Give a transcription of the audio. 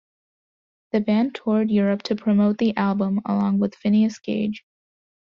The band toured Europe to promote the album, along with Phinius Gage.